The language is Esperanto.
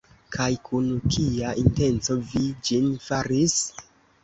Kaj kun kia intenco vi ĝin faris?